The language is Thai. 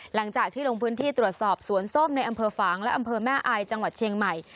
หลังจากที่ลงพื้นที่ตรวจสอบสวนส้มในอำเภอฝางและอำเภอแม่อายจังหวัดเชียงใหม่